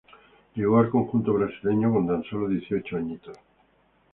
Llegó al conjunto brasileño con tan solo dieciocho años.